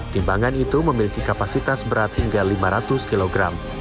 timbangan itu memiliki kapasitas berat hingga lima ratus kg